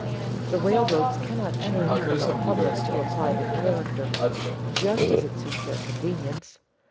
The railroads cannot change from a public to a private character just as it suits their convenience.